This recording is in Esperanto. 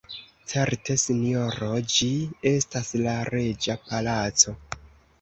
Certe sinjoro, ĝi estas la reĝa palaco.